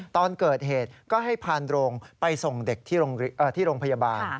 ตอนเกิดเหตุก็ให้พานโรงไปส่งเด็กที่โรงพยาบาล